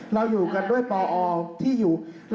แล้วท่านเนี่ยอย่าชี้นะคะ